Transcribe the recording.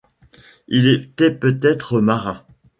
Il était peut-être marin.